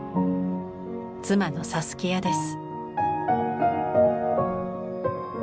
妻のサスキアです。